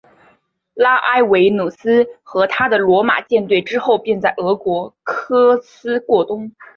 拉埃维努斯和他的罗马舰队之后便在俄里科斯过冬。